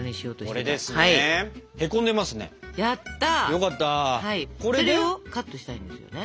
それをカットしたいんですよね。